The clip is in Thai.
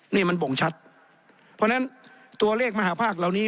นี่มันบ่งชัดเพราะฉะนั้นตัวเลขมหาภาคเหล่านี้